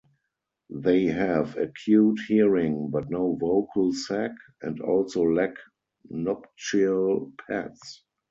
They have acute hearing, but no vocal sac, and also lack nuptial pads.